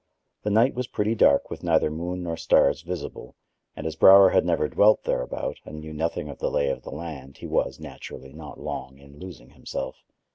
The night was pretty dark, with neither moon nor stars visible, and as Brower had never dwelt thereabout, and knew nothing of the lay of the land, he was, naturally, not long in losing himself.